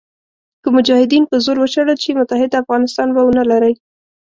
که مجاهدین په زور وشړل شي متحد افغانستان به ونه لرئ.